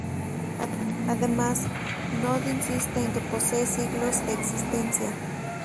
Además, Nod insiste en que posee siglos de existencia.